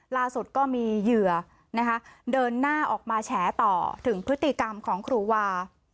ล่าสุดก็มีเหยื่อนะคะเดินหน้าออกมาแฉต่อถึงพฤติกรรมของครูวา